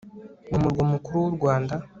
mu murwa mukuru w u Rwanda